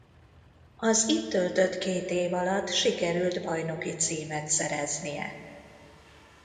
Az itt töltött két év alatt sikerült bajnoki címet szereznie.